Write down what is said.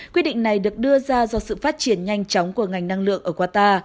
quyết định này được đưa ra do sự phát triển nhanh chóng của ngành năng lượng ở qatar